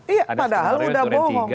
iya padahal sudah bohong